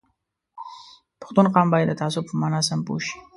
پښتون قوم باید د تعصب په مانا سم پوه شي